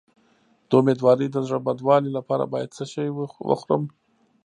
د امیدوارۍ د زړه بدوالي لپاره باید څه شی وخورم؟